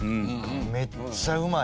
めっちゃうまい。